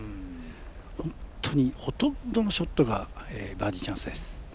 本当に、ほとんどのショットがバーディーチャンスです。